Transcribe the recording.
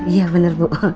iya bener bu